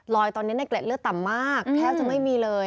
ตอนนี้ในเกล็ดเลือดต่ำมากแทบจะไม่มีเลย